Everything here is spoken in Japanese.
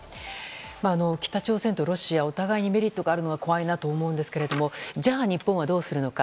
北朝鮮とロシアお互いにメリットがあるのが怖いなと思いますがじゃあ、日本はどうするのか。